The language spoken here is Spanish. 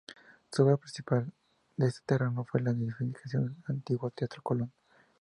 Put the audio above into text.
Su obra principal en este terreno fue la edificación del antiguo Teatro Colón.